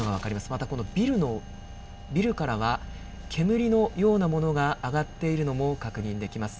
また、このビルの、ビルからは煙のようなものが上がっているのも確認できます。